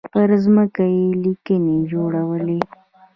پر ځمکه يې ليکې جوړولې.